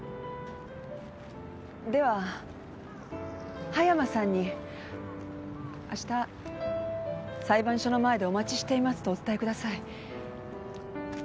では葉山さんにあした裁判所の前でお待ちしていますとお伝えください。